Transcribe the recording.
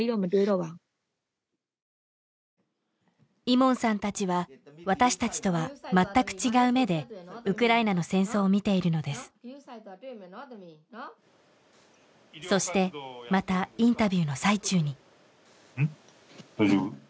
イモンさんたちは私たちとは全く違う目でウクライナの戦争を見ているのですそしてまたインタビューの最中にうん？